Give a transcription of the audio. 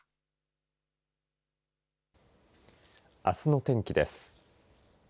あすの天気です。